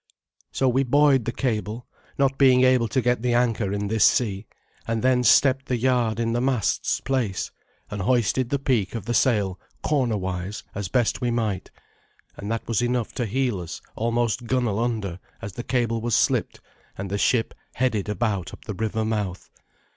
So we buoyed the cable, not being able to get the anchor in this sea, and then stepped the yard in the mast's place, and hoisted the peak of the sail corner wise as best we might; and that was enough to heel us almost gunwale under as the cable was slipped and the ship headed about up the river mouth.